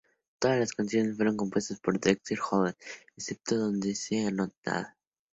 Todas las canciones fueron compuestas por Dexter Holland, excepto en donde se anote.